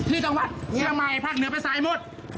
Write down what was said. นี่ต้องวัดนี่ทำไมภาคเหนือเป็นสายหมด